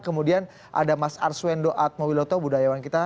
kemudian ada mas arswendo atmowiloto budayawan kita